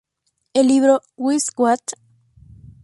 El libro "Guess What?